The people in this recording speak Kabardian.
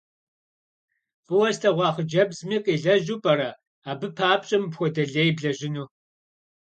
ФӀыуэ слъэгъуа хъыджэбзми къилэжьу пӀэрэ абы папщӀэ мыпхуэдэ лей блэжьыну?